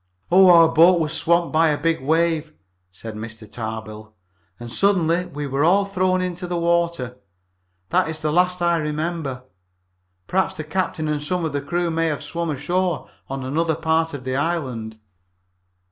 "Our boat was swamped by a big wave," said Mr. Tarbill, "and suddenly we were all thrown into the water. That is the last I remember. Perhaps the captain and some of the crew may have swum ashore on another part of this island."